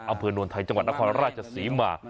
อำเภทดนนไทยจังหวัดนครราชสีมา